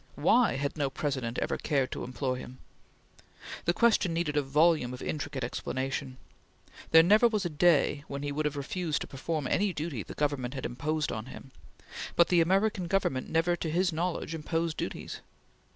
Why had no President ever cared to employ him? The question needed a volume of intricate explanation. There never was a day when he would have refused to perform any duty that the Government imposed on him, but the American Government never to his knowledge imposed duties.